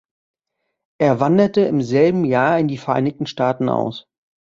Er wanderte im selben Jahr in die Vereinigten Staaten aus.